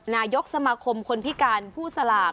นายกษมครรภ์คนพิการผู้สลาก